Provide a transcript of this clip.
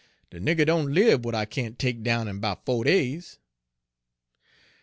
De nigger doan lib w'at I can't take down in 'bout fo' days.'